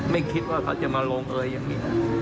ไม่คิดว่าเขาจะมาลงเอยยังไง